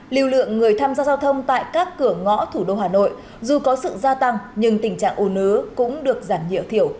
lưu lượng người tham gia giao thông tại các cửa ngõ thủ đô hà nội dù có sự gia tăng nhưng tình trạng ồ nứ cũng được giảm nhựa thiểu